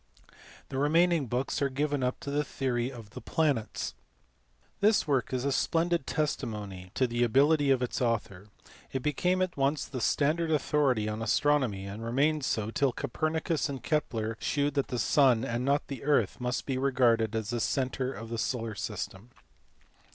The remaining books are given up to the theory of the planets. This work is a splendid testimony to the ability of its author. It became at once the standard authority on as tronomy, and remained so till Copernicus and Kepler shewed that the sun and not the earth must be regarded as the centre of the solar system.